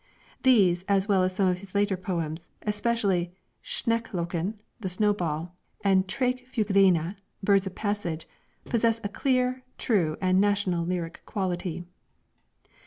These, as well as some of his later poems, especially 'Sneklokken' (The Snowbell), and 'Trækfuglene' (Birds of Passage), possess a clear, true, and national lyric quality.